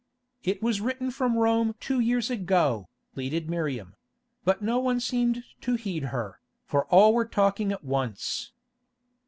"It was written from Rome two years ago," pleaded Miriam; but no one seemed to heed her, for all were talking at once.